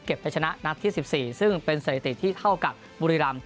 ไปชนะนัดที่๑๔ซึ่งเป็นสถิติที่เท่ากับบุรีรำ